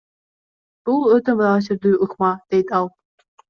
Бул өтө таасирдүү ыкма, – дейт ал.